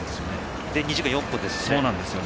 それで２時間４分ですよね。